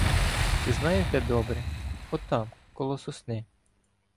То знаєш де, добре? Отам, коло сосни.